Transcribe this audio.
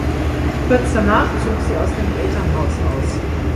Kurz danach zog sie aus dem Elternhaus aus.